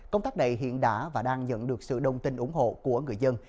công tác này hiện đã và đang nhận được sự đông tin ủng hộ của người dân